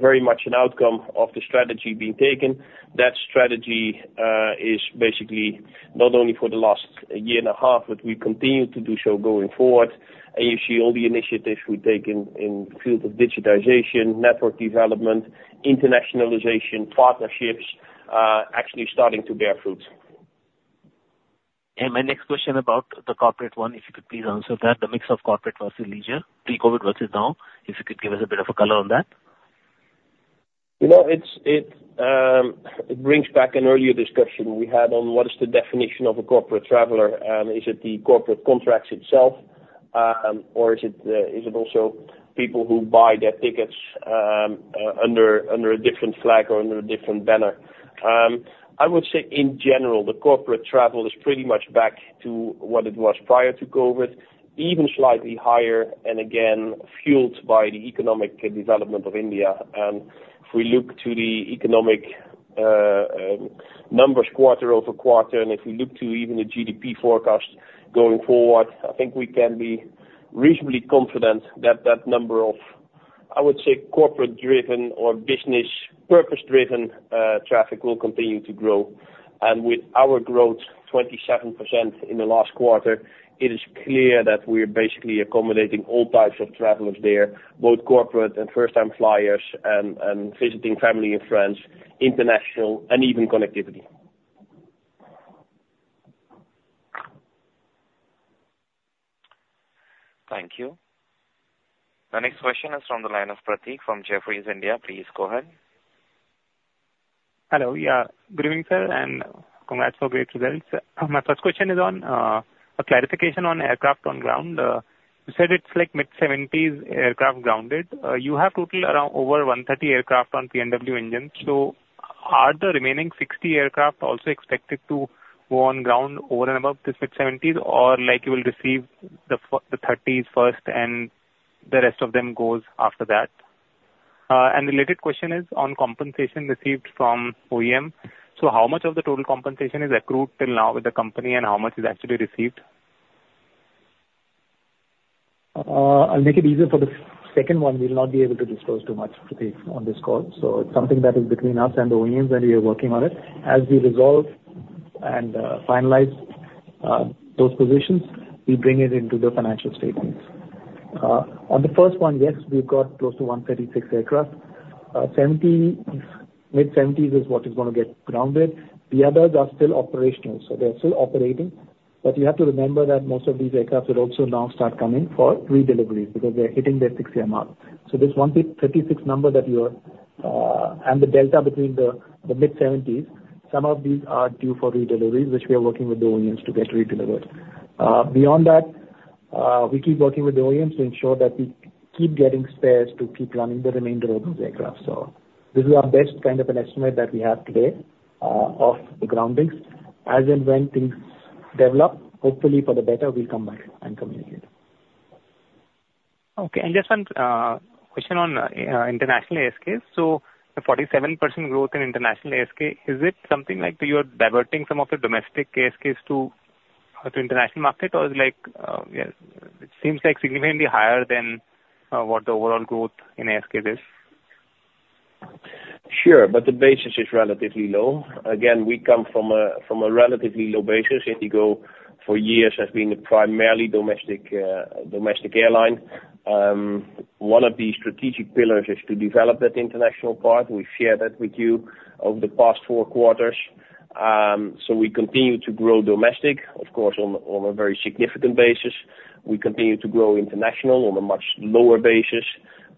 very much an outcome of the strategy being taken. That strategy is basically not only for the last year and a half, but we continue to do so going forward. And you see all the initiatives we take in the field of digitization, network development, internationalization, partnerships, actually starting to bear fruit. My next question about the corporate one, if you could please answer that, the mix of corporate versus leisure, pre-COVID versus now. If you could give us a bit of a color on that. You know, it's, it brings back an earlier discussion we had on what is the definition of a corporate traveler, and is it the corporate contracts itself? Or is it also people who buy their tickets under a different flag or under a different banner? I would say, in general, the corporate travel is pretty much back to what it was prior to COVID, even slightly higher, and again, fueled by the economic development of India. And if we look to the economic numbers quarter-over-quarter, and if we look to even the GDP forecast going forward, I think we can be reasonably confident that that number of, I would say, corporate-driven or business purpose-driven traffic will continue to grow. With our growth, 27% in the last quarter, it is clear that we are basically accommodating all types of travelers there, both corporate and first-time flyers, and visiting family and friends, international, and even connectivity. Thank you. The next question is from the line of Prateek from Jefferies, India. Please go ahead. Hello, yeah. Good evening, sir, and congrats for great results. My first question is on a clarification on aircraft on ground. You said it's like mid-70s aircraft grounded. You have totally around over 130 aircraft on PW engine. So are the remaining 60 aircraft also expected to go on ground over and above this mid-70s, or like you will receive the 30s first, and the rest of them goes after that? And the related question is on compensation received from OEM. So how much of the total compensation is accrued till now with the company, and how much is actually received? I'll make it easier for the second one. We'll not be able to disclose too much on this call, so it's something that is between us and the OEMs, and we are working on it. As we resolve and, finalize, those positions, we bring it into the financial statements. On the first one, yes, we've got close to 136 aircraft. Mid-70s is what is gonna get grounded. The others are still operational, so they're still operating. But you have to remember that most of these aircraft will also now start coming for redelivery, because they're hitting their six-year mark. So this 136 number that you're... And the delta between the mid-70s, some of these are due for redelivery, which we are working with the OEMs to get redelivered. Beyond that, we keep working with the OEMs to ensure that we keep getting spares to keep running the remainder of those aircraft. So this is our best kind of an estimate that we have today, of the groundings. As and when things develop, hopefully for the better, we'll come back and communicate. Okay. And just one question on international ASKs. So the 47% growth in international ASK, is it something like you're diverting some of the domestic ASKs to international market? Or is like, yeah, it seems like significantly higher than what the overall growth in ASK is. Sure, but the basis is relatively low. Again, we come from a relatively low basis. IndiGo, for years, has been a primarily domestic domestic airline. One of the strategic pillars is to develop that international part. We've shared that with you over the past four quarters. So we continue to grow domestic, of course, on a very significant basis. We continue to grow international on a much lower basis.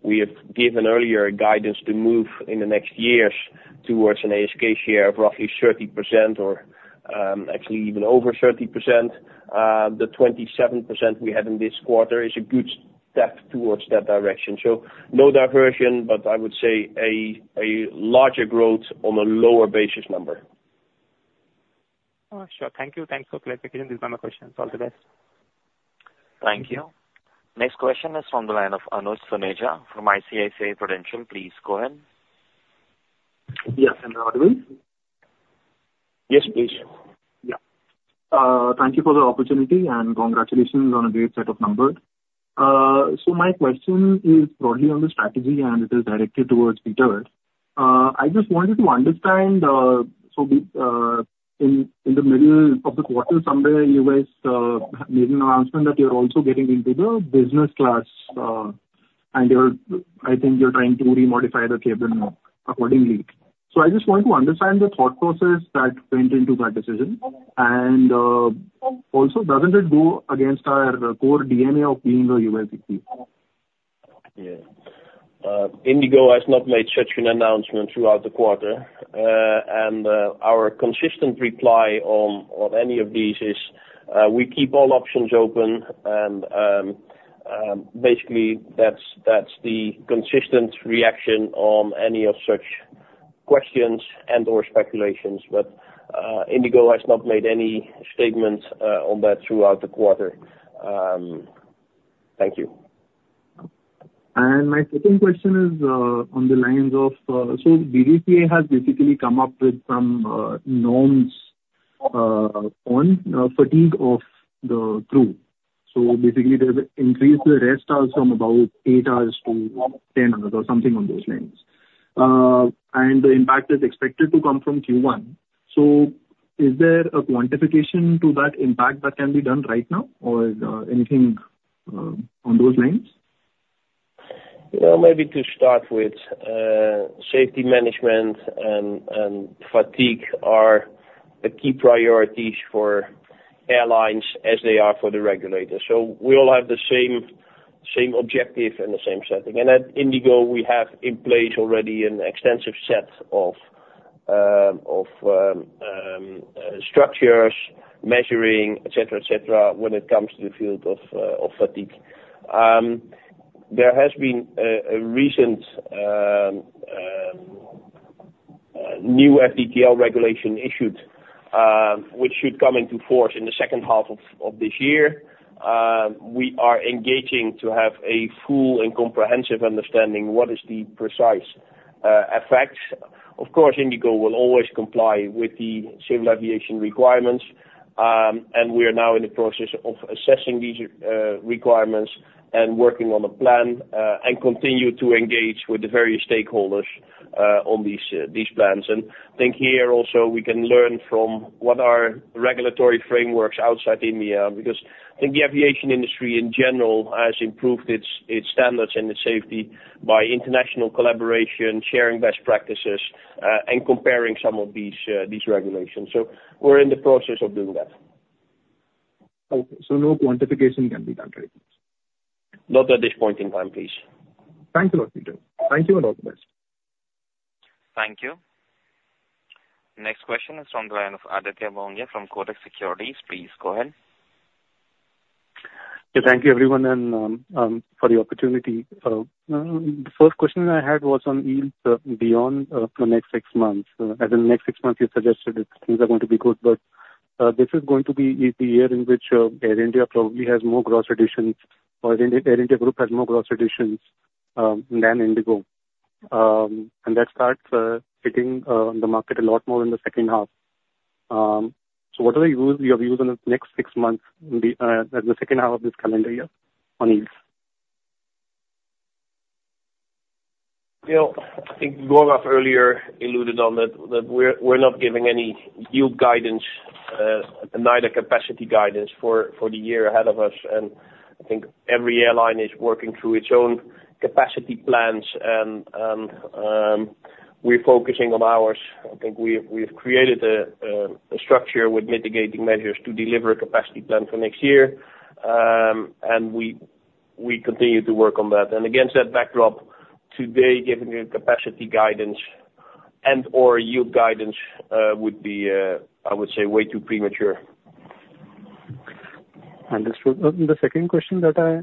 We have given earlier guidance to move in the next years towards an ASK share of roughly 30% or actually even over 30%. The 27% we had in this quarter is a good step towards that direction. So no diversion, but I would say a larger growth on a lower basis number. Oh, sure. Thank you. Thanks for clarification. These are my questions. All the best. Thank you. Next question is from the line of Anuj Suneja from ICICI Prudential. Please go ahead. Yes, and loud and clear? Yes, please. Yeah. Thank you for the opportunity, and congratulations on a great set of numbers. So my question is broadly on the strategy, and it is directed towards Pieter. I just wanted to understand, so in the middle of the quarter, somewhere, you guys made an announcement that you're also getting into the business class, and you're, I think you're trying to remodify the cabin more accordingly. So I just want to understand the thought process that went into that decision. And also, doesn't it go against our core DNA of being a ULCC? Yeah. IndiGo has not made such an announcement throughout the quarter. And our consistent reply on any of these is we keep all options open, and basically, that's the consistent reaction on any of such questions and/or speculations. But IndiGo has not made any statement on that throughout the quarter. Thank you. My second question is, on the lines of, so DGCA has basically come up with some norms on fatigue of the crew. So basically, they've increased the rest hours from about 8 hours to 10 hours, or something on those lines. And the impact is expected to come from Q1. So is there a quantification to that impact that can be done right now, or anything on those lines? Well, maybe to start with, safety management and fatigue are the key priorities for airlines as they are for the regulator. So we all have the same objective and the same setting. And at IndiGo, we have in place already an extensive set of structures, measuring, et cetera, et cetera, when it comes to the field of fatigue. There has been a recent new FDTL regulation issued, which should come into force in the second half of this year. We are engaging to have a full and comprehensive understanding what is the precise effects. Of course, IndiGo will always comply with the civil aviation requirements, and we are now in the process of assessing these requirements and working on a plan, and continue to engage with the various stakeholders on these plans. I think here also, we can learn from what are regulatory frameworks outside India, because I think the aviation industry in general has improved its standards and its safety by international collaboration, sharing best practices, and comparing some of these regulations. We're in the process of doing that. Okay, so no quantification can be done right now? Not at this point in time, please. Thank you very much. Thank you, and all the best. Thank you. Next question is from the line of Aditya Mongia from Kotak Securities. Please go ahead. Yeah, thank you, everyone, and for the opportunity. The first question I had was on yields, beyond the next six months. As in the next six months, you suggested that things are going to be good, but this is going to be the year in which Air India probably has more gross additions, or Air India Group has more gross additions, than IndiGo. And that starts hitting the market a lot more in the second half. So what are the yields you have used in the next six months in the second half of this calendar year on yields? You know, I think Gaurav earlier alluded on that, that we're, we're not giving any yield guidance, neither capacity guidance for, for the year ahead of us. And I think every airline is working through its own capacity plans, and, we're focusing on ours. I think we've created a, a structure with mitigating measures to deliver a capacity plan for next year. And we, we continue to work on that. And against that backdrop, today, giving a capacity guidance and/or yield guidance, would be, I would say, way too premature. Understood. The second question that I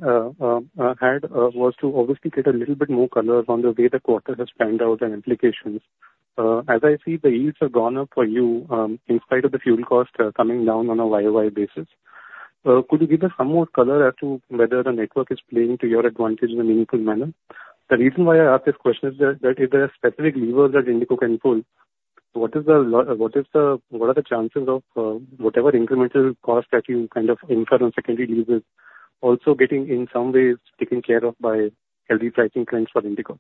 had was to obviously get a little bit more color on the way the quarter has panned out and implications. As I see, the yields have gone up for you, in spite of the fuel costs, coming down on a YoY basis. Could you give us some more color as to whether the network is playing to your advantage in a meaningful manner? The reason why I ask this question is that if there are specific levers that IndiGo can pull, what is the, what are the chances of whatever incremental cost that you kind of incur on secondary levers also getting in some ways taken care of by healthy pricing trends for IndiGo?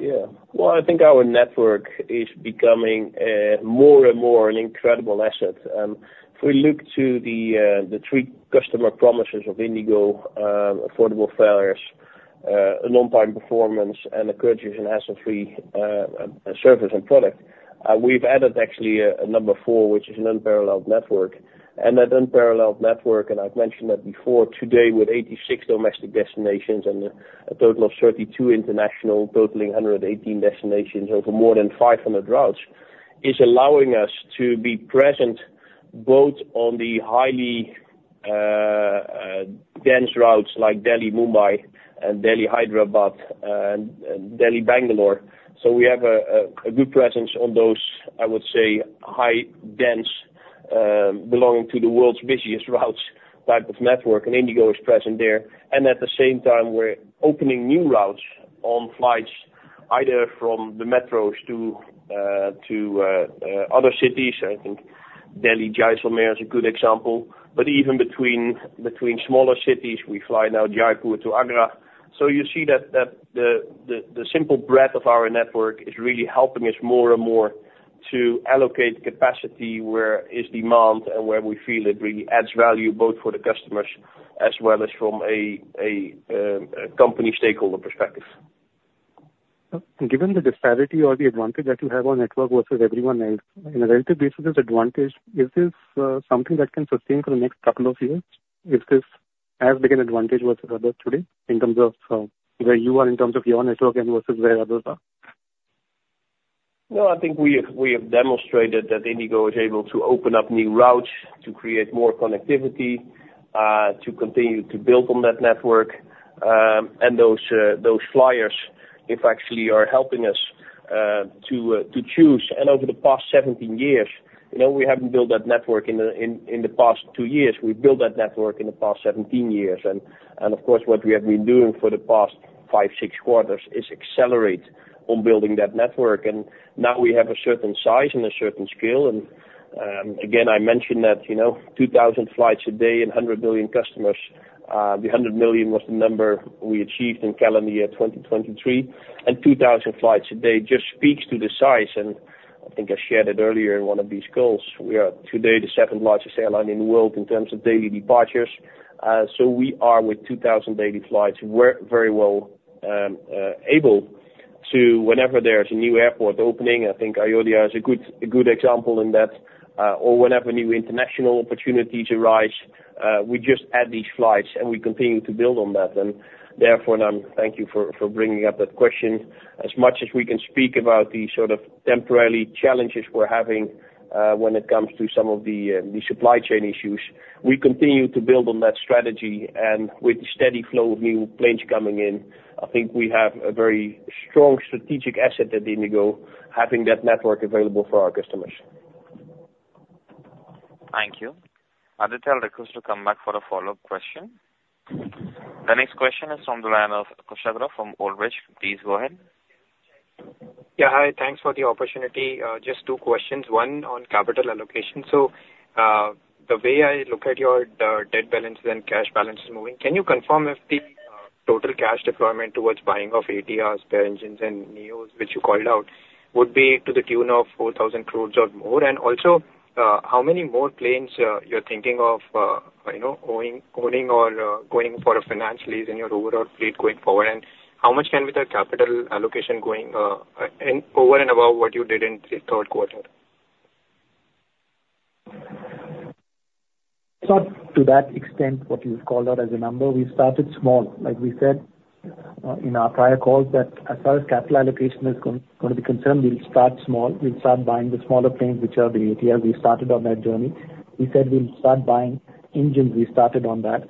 Yeah. Well, I think our network is becoming more and more an incredible asset. If we look to the three customer promises of IndiGo, affordable fares, on-time performance, and a courteous and hassle-free service and product, we've added actually a number four, which is an unparalleled network. And that unparalleled network, and I've mentioned that before, today with 86 domestic destinations and a total of 32 international, totaling 118 destinations over more than 500 routes, is allowing us to be present both on the highly dense routes like Delhi-Mumbai and Delhi-Hyderabad, and Delhi-Bangalore. So we have a good presence on those, I would say, high dense belonging to the world's busiest routes type of network, and IndiGo is present there. At the same time, we're opening new routes on flights, either from the metros to other cities. I think Delhi-Jaisalmer is a good example, but even between smaller cities, we fly now Jaipur to Agra. So you see that the simple breadth of our network is really helping us more and more to allocate capacity where is demand and where we feel it really adds value, both for the customers as well as from a company stakeholder perspective. Given the disparity or the advantage that you have on network versus everyone else, in a relative basis, this advantage, is this something that can sustain for the next couple of years? Is this as big an advantage versus others today in terms of where you are in terms of your network and versus where others are? No, I think we have, we have demonstrated that IndiGo is able to open up new routes, to create more connectivity, to continue to build on that network. And those, those flyers, if actually are helping us, to, to choose. And over the past 17 years, you know, we haven't built that network in the, in, in the past two years, we've built that network in the past 17 years. And, and of course, what we have been doing for the past five, six quarters is accelerate on building that network. And now we have a certain size and a certain scale, and, again, I mentioned that, you know, 2,000 flights a day and 100 million customers. The 100 million was the number we achieved in calendar year 2023, and 2,000 flights a day just speaks to the size, and I think I shared it earlier in one of these calls. We are today the second largest airline in the world in terms of daily departures. So we are, with 2,000 daily flights, we're very well able to, whenever there is a new airport opening, I think Ayodhya is a good example in that, or whenever new international opportunities arise. We just add these flights and we continue to build on that. And therefore, now, thank you for bringing up that question. As much as we can speak about the sort of temporary challenges we're having, when it comes to some of the, the supply chain issues, we continue to build on that strategy. With the steady flow of new planes coming in, I think we have a very strong strategic asset at IndiGo, having that network available for our customers. Thank you. I will tell the customer to come back for a follow-up question. The next question is from the line of Kushagra from Old Bridge. Please go ahead. Yeah, hi. Thanks for the opportunity. Just two questions. One, on capital allocation. So, the way I look at your debt balances and cash balances moving, can you confirm if the total cash deployment towards buying of ATRs, spare engines, and NEOs, which you called out, would be to the tune of 4,000 crore or more? And also, how many more planes you're thinking of, you know, owning or going for a finance lease in your overall fleet going forward? And how much can be the capital allocation going, and over and above what you did in the third quarter? It's not to that extent what you've called out as a number. We started small, like we said, in our prior calls, that as far as capital allocation is gonna be concerned, we'll start small. We'll start buying the smaller planes, which are the ATRs. We started on that journey. We said we'll start buying engines. We started on that.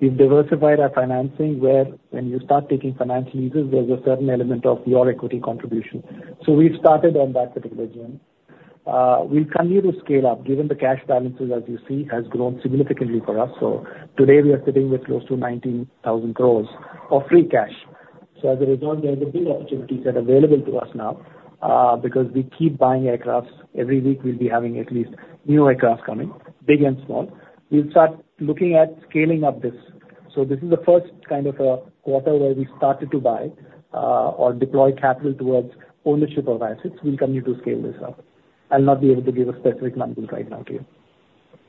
We've diversified our financing, where when you start taking financial leases, there's a certain element of your equity contribution. So we've started on that particular journey. We continue to scale up, given the cash balances, as you see, has grown significantly for us. So today, we are sitting with close to 19,000 crore of free cash. So as a result, there are big opportunities that are available to us now, because we keep buying aircraft. Every week we'll be having at least new aircraft coming, big and small. We'll start looking at scaling up this. So this is the first kind of quarter where we started to buy or deploy capital towards ownership of assets. We continue to scale this up. I'll not be able to give a specific number right now to you.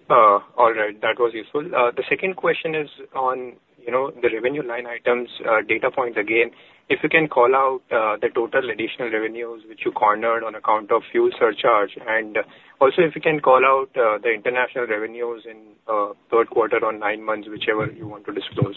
All right. That was useful. The second question is on, you know, the revenue line items, data points again. If you can call out the total additional revenues which you cornered on account of fuel surcharge, and also if you can call out the international revenues in third quarter or nine months, whichever you want to disclose.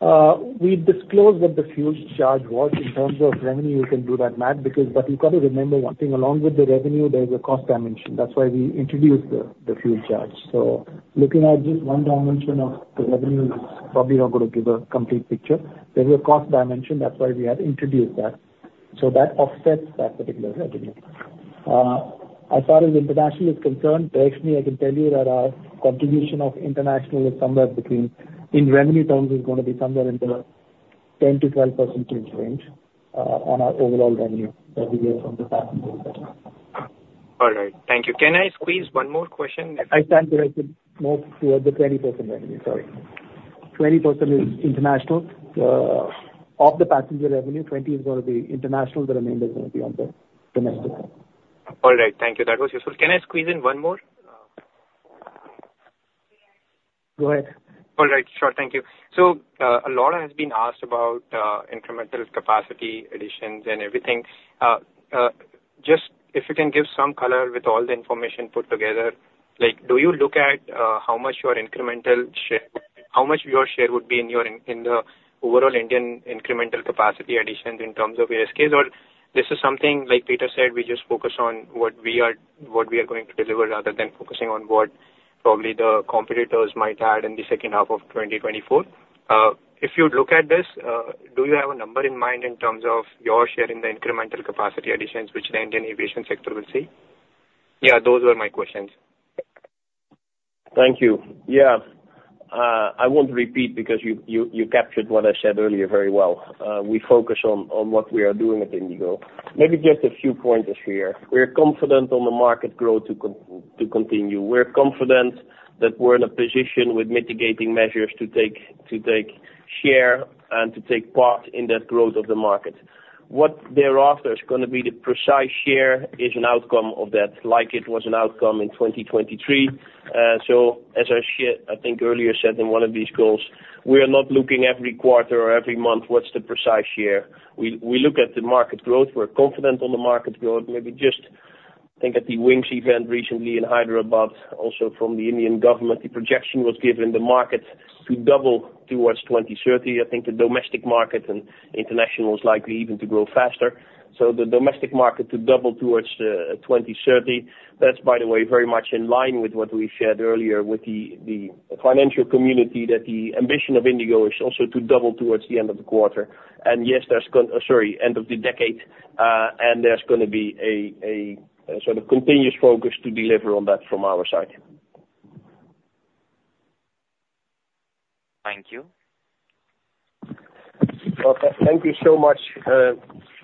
We disclosed what the fuel surcharge was. In terms of revenue, you can do that math, because... But you've got to remember one thing, along with the revenue, there is a cost dimension. That's why we introduced the fuel charge. So looking at just one dimension of the revenue is probably not going to give a complete picture. There's a cost dimension, that's why we have introduced that. So that offsets that particular revenue. As far as international is concerned, actually, I can tell you that our contribution of international is somewhere between, in revenue terms, is going to be somewhere in the 10%-12% range, on our overall revenue that we get from the passenger. All right. Thank you. Can I squeeze one more question? I said that I said more toward the 20% revenue, sorry. 20% is international. Of the passenger revenue, 20% is gonna be international, the remainder is gonna be on the domestic. All right, thank you. That was useful. Can I squeeze in one more? Go ahead. All right, sure. Thank you. So, a lot has been asked about, incremental capacity additions and everything. Just if you can give some color with all the information put together, like, do you look at, how much your incremental share—how much your share would be in your, in, in the overall Indian incremental capacity additions in terms of scales? Or this is something, like Pieter said, we just focus on what we are, what we are going to deliver, rather than focusing on what probably the competitors might add in the second half of 2024. If you'd look at this, do you have a number in mind in terms of your share in the incremental capacity additions which the Indian aviation sector will see? Yeah, those were my questions. Thank you. Yeah. I won't repeat because you captured what I said earlier very well. We focus on what we are doing at IndiGo. Maybe just a few pointers here. We are confident on the market growth to continue. We're confident that we're in a position with mitigating measures to take share and to take part in that growth of the market. What thereafter is gonna be the precise share is an outcome of that, like it was an outcome in 2023. So as I shared, I think earlier said in one of these calls, we are not looking every quarter or every month, what's the precise share? We look at the market growth. We're confident on the market growth. Maybe just think at the Wings event recently in Hyderabad, also from the Indian government, the projection was given the market to double towards 2030. I think the domestic market and international is likely even to grow faster. So the domestic market to double towards 2030. That's, by the way, very much in line with what we shared earlier with the financial community, that the ambition of IndiGo is also to double towards the end of the decade. And yes, there's gonna be a sort of continuous focus to deliver on that from our side. Thank you. Okay, thank you so much,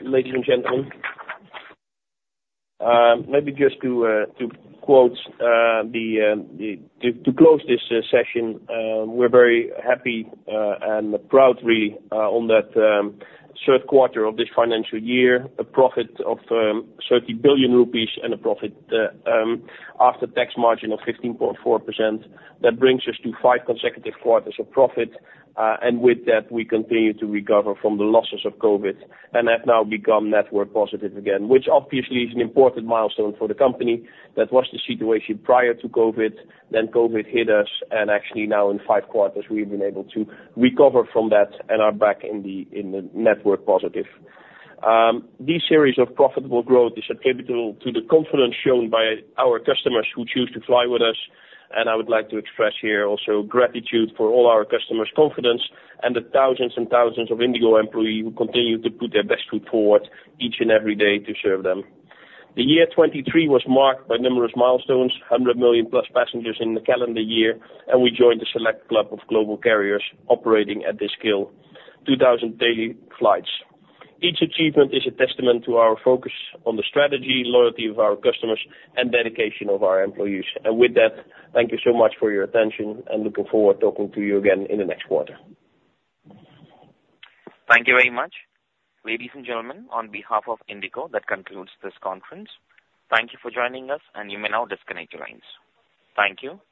ladies and gentlemen. Maybe just to close this session, we're very happy and proud, really, on that third quarter of this financial year, a profit of 30 billion rupees and a profit after-tax margin of 15.4%. That brings us to 5 consecutive quarters of profit, and with that, we continue to recover from the losses of Covid and have now become net worth positive again, which obviously is an important milestone for the company. That was the situation prior to Covid, then Covid hit us, and actually now in five quarters, we've been able to recover from that and are back in the net worth positive. This series of profitable growth is attributable to the confidence shown by our customers who choose to fly with us, and I would like to express here also gratitude for all our customers' confidence and the thousands and thousands of IndiGo employees who continue to put their best foot forward each and every day to serve them. The year 2023 was marked by numerous milestones, 100 million+ passengers in the calendar year, and we joined a select club of global carriers operating at this scale, 2,000 daily flights. Each achievement is a testament to our focus on the strategy, loyalty of our customers, and dedication of our employees. And with that, thank you so much for your attention, and looking forward to talking to you again in the next quarter. Thank you very much. Ladies and gentlemen, on behalf of IndiGo, that concludes this conference. Thank you for joining us, and you may now disconnect your lines. Thank you.